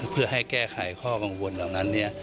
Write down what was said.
เพื่อให้แก้ไขข้อกังวลเหล่านั้น